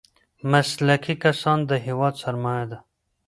مسلکي کسان د هېواد سرمايه ده.